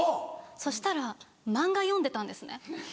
そしたら漫画読んでたんですね。